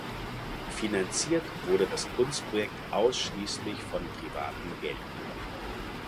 Finanziert wurde das Kunstprojekt ausschließlich von privaten Geldgebern.